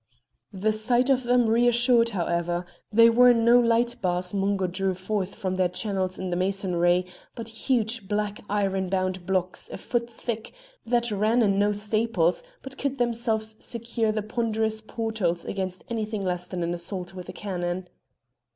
The sight of them reassured, however: they were no light bars Mungo drew forth from their channels in the masonry, but huge black iron bound blocks a foot thick that ran in no staples, but could themselves secure the ponderous portals against anything less than an assault with cannon.